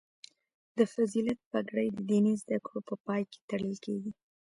د فضیلت پګړۍ د دیني زده کړو په پای کې تړل کیږي.